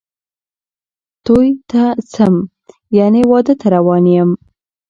توی ته څم ،یعنی واده ته روان یم